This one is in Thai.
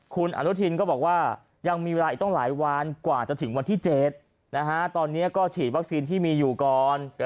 คุณอนุทินก็บอกว่ายังมีเวลาอีกต้องหลายวันกว่าจะถึงวันที่๗ตอนนี้ก็ฉีดวัคซีนที่มีอยู่ก่อน